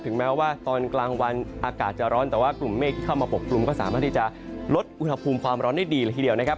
แม้ว่าตอนกลางวันอากาศจะร้อนแต่ว่ากลุ่มเมฆที่เข้ามาปกกลุ่มก็สามารถที่จะลดอุณหภูมิความร้อนได้ดีเลยทีเดียวนะครับ